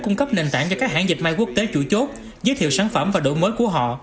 cung cấp nền tảng cho các hãng dịch may quốc tế chủ chốt giới thiệu sản phẩm và đổi mới của họ